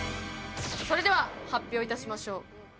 それでは発表いたしましょう。